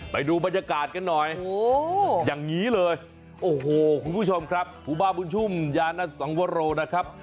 ไปดูบรรยากาศกันหน่อยอย่างนี้เลยโอ้โหคุณผู้ชมครับครูบาบุญชุ่มยานสังวโรนะครับ